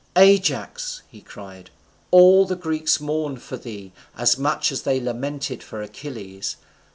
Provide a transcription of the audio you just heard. "Ajax," he cried, "all the Greeks mourn for thee as much as they lamented for Achilles.